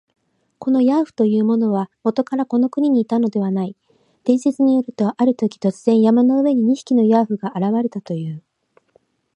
このヤーフというものは、もとからこの国にいたものではない。伝説によると、あるとき、突然、山の上に二匹のヤーフが現れたという。